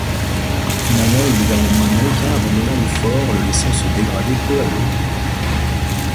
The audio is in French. Finalement, le gouvernement américain abandonna le fort, le laissant se dégrader peu à peu.